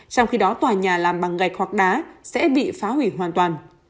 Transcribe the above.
trong khi đó tòa nhà làm bằng gạch hoặc đá sẽ bị phá hủy hoàn toàn